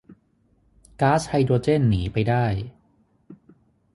ก๊าซไฮโดรเจนหนีไปได้